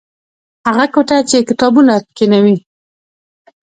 هغه کوټه چې کتابونه پکې نه وي.